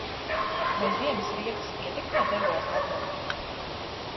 Vai ziemas riepas ietekmē degvielas patēriņu?